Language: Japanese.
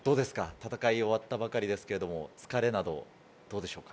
戦い終わったばかりですけれど、疲れなどどうでしょうか？